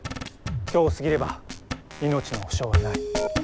今日を過ぎれば命の保証はない。